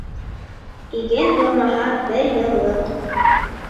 Иген уңмаһа бер йыллыҡ